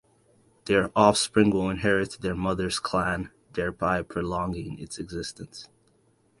Their offspring will inherit their mother's clan, thereby prolonging its existence.